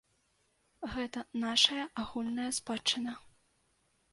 Гэта нашая агульная спадчына.